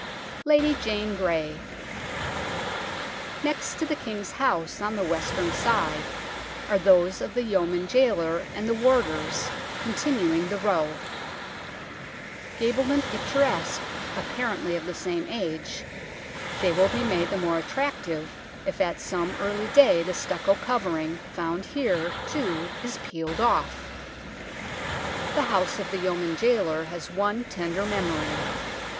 LADY JANE GREY Next to the King's House, on the western side, are those of the Yeoman Jailer and the warders, continuing the row. Gabled and picturesque, apparently of the same age, they will be made the more attractive if at some early day the stucco covering, found here, too, is peeled off. The house of the Yeoman Jailer has one tender memory.